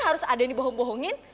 harus ada yang dibohong bohongin